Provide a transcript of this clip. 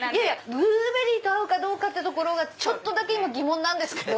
ブルーベリーと合うかってとこがちょっとだけ疑問なんですけど。